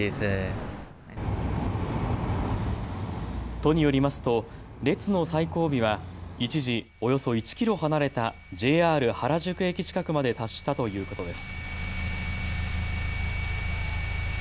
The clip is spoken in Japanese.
都によりますと列の最後尾は一時、およそ１キロ離れたＪＲ原宿駅近くまで達したということです。